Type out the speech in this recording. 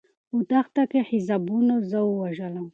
په دښته کې حسابونو زه ووژلم.